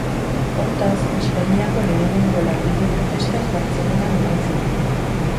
Hortaz, Espainiako lehenengo langile protestak Bartzelonan eman ziren.